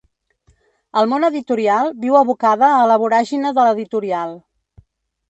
El món editorial viu abocada a la voràgine de l’editorial.